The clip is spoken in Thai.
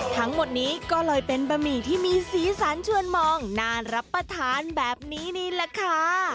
ทั้งหมดนี้ก็เลยเป็นบะหมี่ที่มีสีสันชวนมองนานรับประทานแบบนี้นี่แหละค่ะ